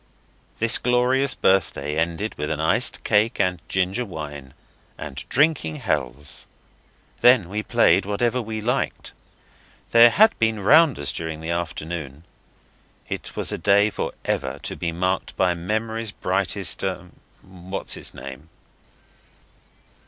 This glorious birthday ended with an iced cake and ginger wine, and drinking healths. Then we played whatever we liked. There had been rounders during the afternoon. It was a day to be for ever marked by memory's brightest what's its name.